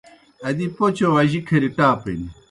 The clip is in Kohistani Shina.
ادی پوْچوْ اجی کھری ٹاپِن۔